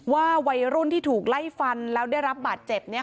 ว่าวัยรุ่นที่ถูกไล่ฟันแล้วได้รับบาดเจ็บ